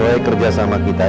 proyek kerjasama kita ini